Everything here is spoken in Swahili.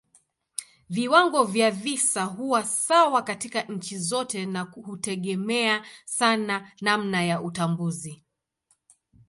Viwango vya visa huwa sawa katika nchi zote na hutegemea sana namna ya utambuzi.